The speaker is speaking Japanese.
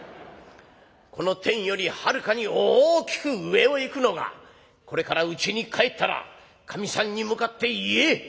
この天よりはるかに大きく上を行くのがこれからうちに帰ったらかみさんに向かって言え。